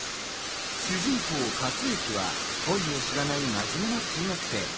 主人公・勝之は恋を知らない真面目な中学生。